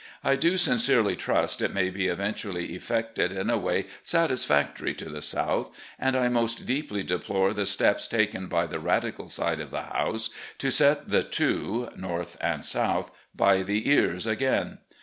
I do sincerely trust it may be eventually effected in a way satisfactory to the South, and I most deeply deplore the steps taken by the Radical side of the House to set the two (North and South) by the ears again.